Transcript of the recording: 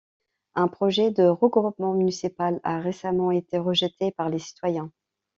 Un projet de regroupement municipal a récemment été rejeté par les citoyens.